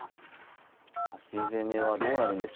端攻めはどうなるんでしょう。